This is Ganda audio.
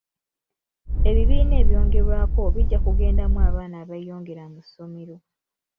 Ebibiina ebyongerwako bijja kugendamu abaana abeeyongera mu ssomero.